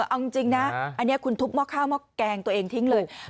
เอาจริงนะอันนี้คุณทุบหม้อข้าวหม้อแกงตัวเองทิ้งเลย